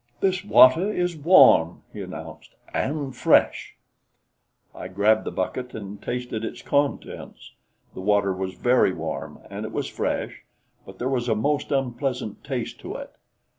"This water is warm," he announced, "and fresh!" I grabbed the bucket and tasted its contents. The water was very warm, and it was fresh, but there was a most unpleasant taste to it.